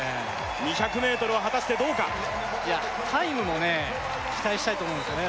２００ｍは果たしてどうかいやタイムもね期待したいと思うんですよね